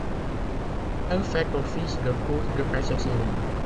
Elle fait office de Cour de cassation.